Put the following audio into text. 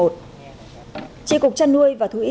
tri cục chăn nuôi và thú y